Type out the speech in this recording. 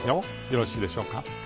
よろしいでしょうか。